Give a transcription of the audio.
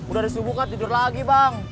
udah disubuhkan tidur lagi bang